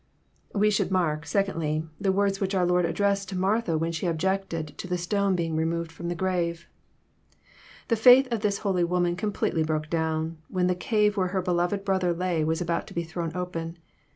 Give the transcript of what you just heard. We should mark, secondly, the wards which our Lord addressed to MartJia^ wJien site objected to the stone being removed from the grave. The faith of this holy woman completely broke down, when the cave where her beloved brother lay was about to be thrown open.